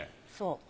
そう。